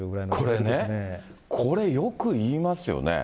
これね、これ、よく言いますね。